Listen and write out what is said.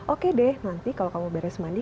oke deh nanti kalau kamu beres mandi